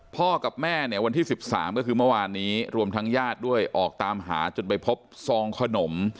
กับแม่เนี่ยวันที่๑๓ก็คือเมื่อวานนี้รวมทั้งญาติด้วยออกตามหาจนไปพบซองขนม